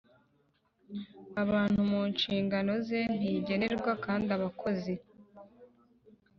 abantu mu nshingano ze Ntigenerwa kandi abakozi